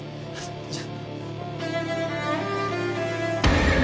じゃあ。